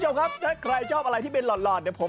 น้องคนคุณชอบไหมครับเป็นหลอดชอบไหม